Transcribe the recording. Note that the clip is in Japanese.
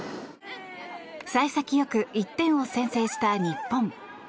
幸先よく１点を先制した日本。